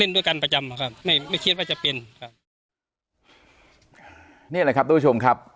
ด้วยกันประจำนะครับไม่ไม่คิดว่าจะเป็นครับนี่แหละครับทุกผู้ชมครับ